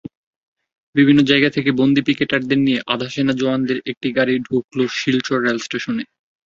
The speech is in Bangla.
বিভিন্ন জায়গা থেকে বন্দী পিকেটারদের নিয়ে আধা-সেনা জওয়ানদের গাড়ি ঢুকল শিলচর রেলস্টেশনে।